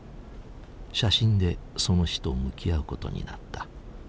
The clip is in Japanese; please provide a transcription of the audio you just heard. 写真でその死と向き合うことになった。